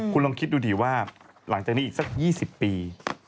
คุณลองคิดดูดีว่าหลังจากนี้อีกสัก๒๐ปี